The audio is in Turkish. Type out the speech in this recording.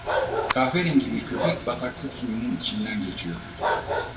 Kahverengi bir köpek bataklık suyunun içinden geçiyor.